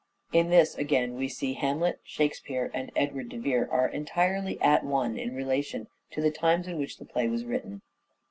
In this again we see Hamlet, " Shakespeare " and Edward de Vere are entirely at one in relation to the times in which the play was written.